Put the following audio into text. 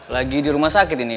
lagi di rumah sakit ini